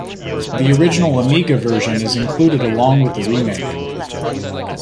The original Amiga version is included along with the remake.